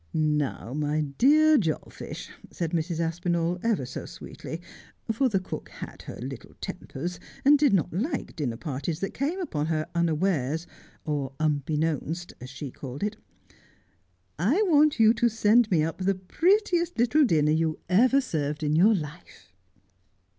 ' Now, my dear Jolfish,' said Mrs. Aspinall, ever so sweetly, for the cook had her little tempers, and did not like dinner parties that came upon her unawares, or ' unbeknownst,' as she called it. ' I want you to send me up the prettiest little dinner you ever served in your life.'